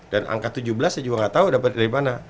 dan angka tujuh belas saya juga enggak tahu dapat dari mana